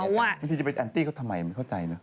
บางทีจะเป็นแอนตี้เขาทำไมไม่เข้าใจเนอ